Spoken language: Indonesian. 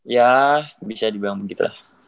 ya bisa dibilang begitu lah